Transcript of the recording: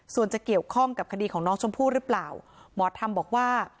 ส่วนจะเกี่ยวข้องกับคดีของน้องชมพู่หรือเปล่าหมอธรรมบอกว่า